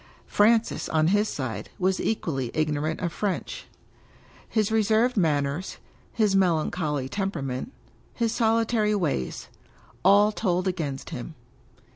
Francis, on his side, was equally ignorant of French. His reserved manners, his melancholy tempera ment, his solitary ways — ^all told against him.